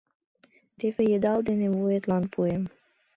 Теве йыдал денже вуетлан пуэм!